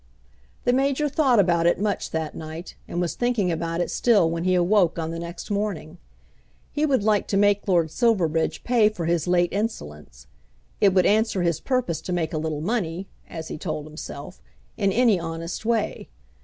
The Major thought about it much that night, and was thinking about it still when he awoke on the next morning. He would like to make Lord Silverbridge pay for his late insolence. It would answer his purpose to make a little money, as he told himself, in any honest way.